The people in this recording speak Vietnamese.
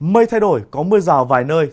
mây thay đổi có mưa rào vài nơi